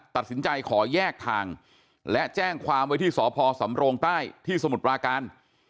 ตัดสินใจขอแยกทางและแจ้งความไว้ที่สพสำโรงใต้ที่สมุทรปราการ